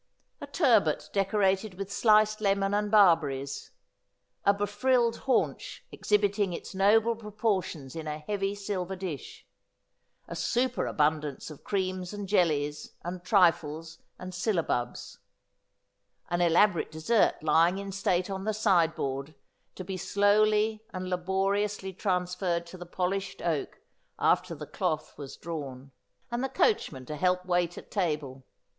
A turbot decorated with sliced lemon and barberries ; a befrilled haunch, exhibiting its noble proportions in a heavy silver dish ; a superabundance of creams and jellies and trifles and syllabubs ; an elaborate dessert lying in state on the sideboard, to be slowly and laboriously transferred to the polished oak after the cloth was drawn ; aiad the coachman to help wait at table.